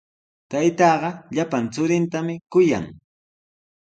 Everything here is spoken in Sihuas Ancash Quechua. Taytaaqa llapan churintami kuyan.